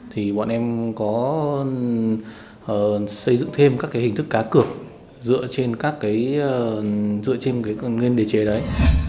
thì bọn em có xây dựng thêm các hình thức cá cực dựa trên nguyên địa chế đấy